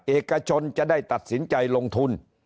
เอกชนจะได้ตัดสินใจลงทุน